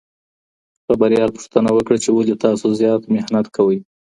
خبریال پوښتنه وکړه چې ولې تاسو زیات محنت کوئ؟